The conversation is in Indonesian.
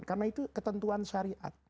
karena itu ketentuan syariat